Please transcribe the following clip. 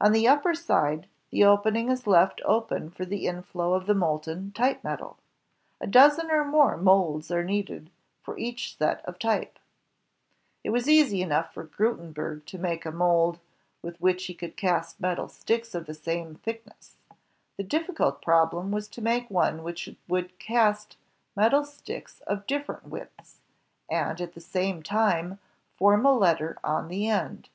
On the upper side, the opening is left open for the inflow of the molten type metal. A dozen or more molds are needed for each set of type. It was easy enough for Gutenberg to make a mold with D, I, E, AfiE PHIVATB U 198 IfsTVENTIONS OF PRINTING AND COMMUNICATION which he could cast metal sticks of the same thickness. The difficult problem was to make one which would cast metal sticks of diSerent widths, and at the same time form a letter on the end.